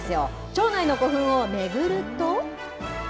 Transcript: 町内の古墳を巡ると。